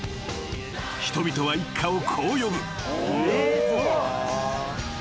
［人々は一家をこう呼ぶ］